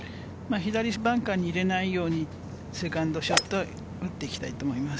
左バンカーに入れないように、セカンドショットを打っていきたいと思います。